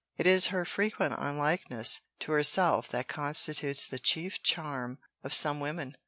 It is her frequent unlikeness to herself that constitutes the chief charm of some women.